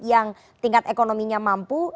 yang tingkat ekonominya mampu